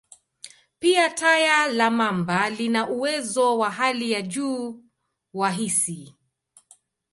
Pia, taya la mamba lina uwezo wa hali ya juu wa hisi.